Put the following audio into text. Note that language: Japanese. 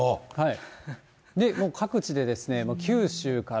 もう各地で九州から